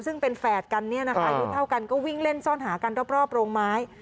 ซึ่งเป็นแฝดกันเนี่ยนะคะอายุเท่ากันก็วิ่งเล่นซ่อนหากันรอบโรงไม้